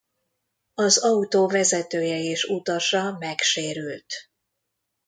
Az autó vezetője és utasa megsérült.